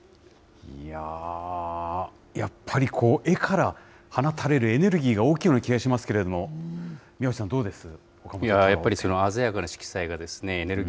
いやー、やっぱり絵から放たれるエネルギーが大きいような気がしますけれども、宮内さん、どうです？